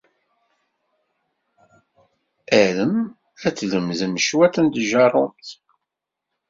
Arem ad tlemded cwiṭ n tjeṛṛumt.